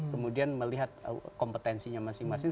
kemudian melihat kompetensinya masing masing